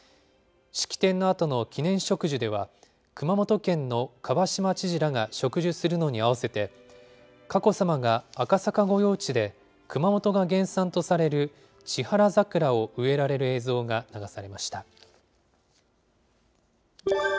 式典のあとの記念植樹では、熊本県の蒲島知事らが植樹するのに合わせて、佳子さまが赤坂御用地で、熊本が原産とされる千原桜を植えられる映像が流されました。